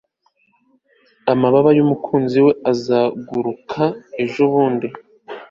amababa yumukunzi we azunguruka ejo bundi